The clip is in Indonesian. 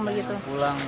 banyak yang pulang